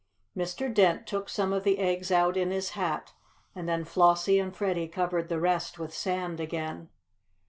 Mr. Dent took some of the eggs out in his hat, and then Flossie and Freddie covered the rest with sand again.